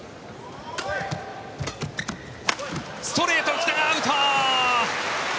ストレート、来たアウト！